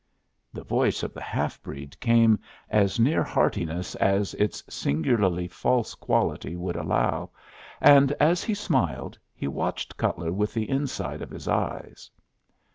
The voice of the half breed came as near heartiness as its singularly false quality would allow, and as he smiled he watched Cutler with the inside of his eyes.